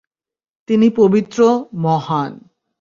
তিনি পবিত্র, মহান!